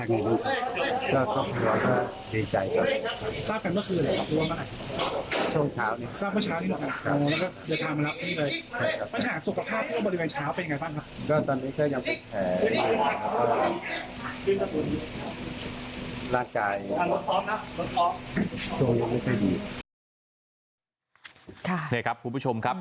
นี่ครับคุณผู้ชมครับ